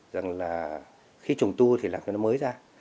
rằng là khi trùng tu thì làm cho nó mới ra